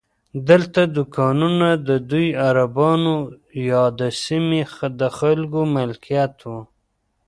دلته دوکانونه د بدوي عربانو یا د سیمې د خلکو ملکیت وو.